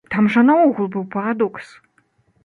Там жа наогул быў парадокс!